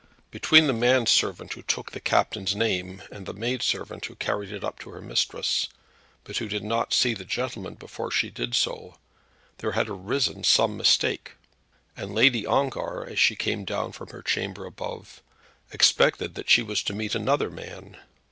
Between the man servant who took the captain's name, and the maid servant who carried it up to her mistress, but who did not see the gentleman before she did so, there had arisen some mistake, and Lady Ongar, as she came down from her chamber above expected that she was to meet another man.